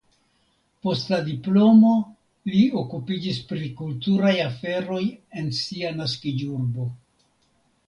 Post la diplomo li okupiĝis pri kulturaj aferoj en sia naskiĝurbo.